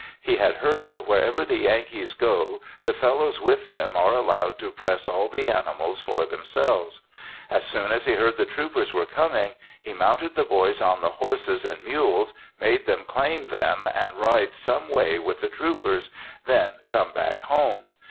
He had heard wherever the Yankees go the fellows with them are allowed to press all the animals for themselves. As soon as he heard the troopers were coming, he mounted the boys on the horses and mules, made them claim them and ride some way with the troopers, then come back home.